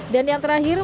dan yang terakhir